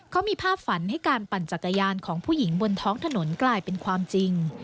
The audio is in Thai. เขามีภาพฝันให้การปั่นจักรยานของผู้หญิงบนท้องถนนกลายเป็นความจริง